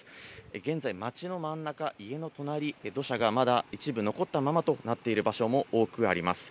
現在、町の真ん中、家の隣、土砂がまだ一部残ったままとなっている場所も多くあります。